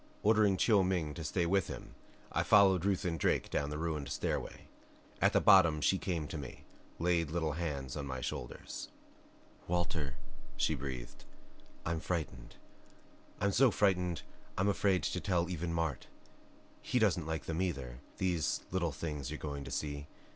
Ordering Chiu Ming to stay with him I followed Ruth and Drake down the ruined stairway. At the bottom she came to me, laid little hands on my shoulders. "Walter," she breathed, "I'm frightened. I'm so frightened I'm afraid to tell even Mart. He doesn't like them, either, these little things you're going to see.